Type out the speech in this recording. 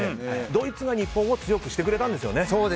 ドイツが日本を強くしてくれたんですよね。